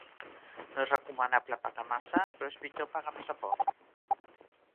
No és recomanable pagar massa, però és pitjor pagar massa poc.